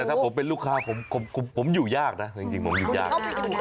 แต่ถ้าผมเป็นลูกค้าผมอยู่ยากนะจริงผมอยู่ยาก